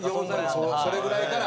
それぐらいから。